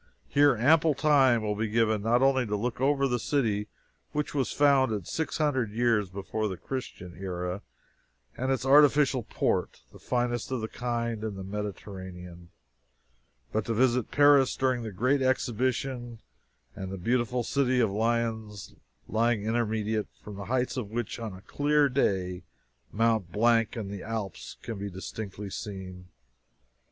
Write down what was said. Here ample time will be given not only to look over the city, which was founded six hundred years before the Christian era, and its artificial port, the finest of the kind in the Mediterranean, but to visit Paris during the Great Exhibition; and the beautiful city of Lyons, lying intermediate, from the heights of which, on a clear day, Mont Blanc and the Alps can be distinctly seen.